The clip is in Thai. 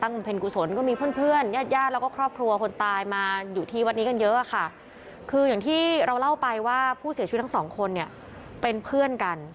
ก็คิดว่าน่าจะใช่ครับเพราะว่าก่อนจากนี้ก็เบิ้ลเบิ้ลเบิ้ลเบิ้ลเบิ้ล